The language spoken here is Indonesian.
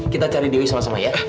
kita cari duit sama sama ya